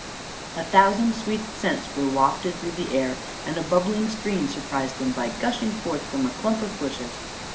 A thousand sweet scents were wafted through the air and a bubbling stream surprised them by gushing forth from a clump of bushes.